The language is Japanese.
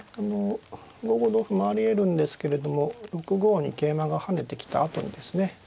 ５五同歩もありえるんですけれども６五に桂馬が跳ねてきたあとにですね